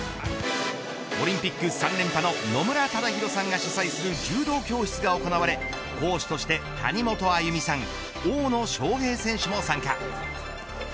オリンピック３連覇の野村忠宏さんが主宰する柔道教室が行われ、講師として谷本歩実さん大野将平選手も参加。